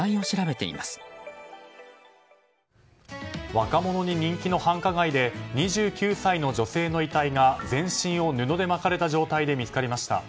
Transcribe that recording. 若者に人気の繁華街で２９歳の女性の遺体が全身を布で巻かれた状態で見つかりました。